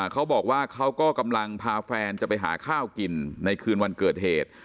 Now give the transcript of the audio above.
เขาก็กำลังพาแฟนจะไปหาข้าวกินในคืนวันเกิดเหตุ